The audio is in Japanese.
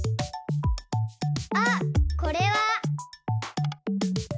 あっこれは。